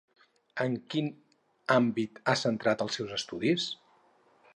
En quin àmbit ha centrat els seus estudis?